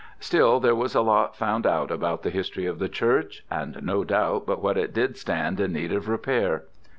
Still there was a lot found out about the history of the church, and no doubt but what it did stand in need of repair.